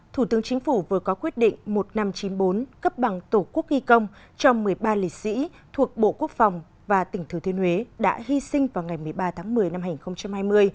thủ tướng chính phủ vừa có quyết định một nghìn năm trăm chín mươi bốn cấp bằng tổ quốc y công cho một mươi ba lịch sĩ thuộc bộ quốc phòng và tỉnh thừa thiên huế đã hy sinh vào ngày một mươi ba tháng một mươi năm hai nghìn hai mươi